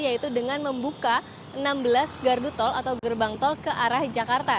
yaitu dengan membuka enam belas gardu tol atau gerbang tol ke arah jakarta